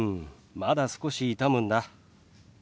まだ少し痛むんだ。